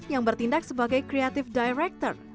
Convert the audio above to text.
dan bertindak sebagai creative director